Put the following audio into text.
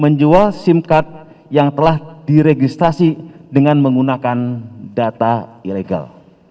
menjual sim card yang telah diregistrasi dengan menggunakan data ilegal